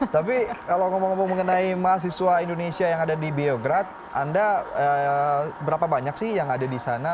tapi kalau ngomong ngomong mengenai mahasiswa indonesia yang ada di biograd anda berapa banyak sih yang ada di sana